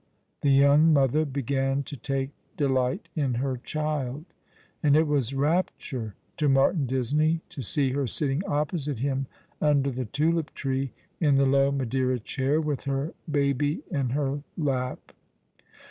The young mother began to take delight in her child; and it was rapture to Martin Disney to see her sitting opposite him under the tulip tree, in the low Madeira chair, with her baby in her lap.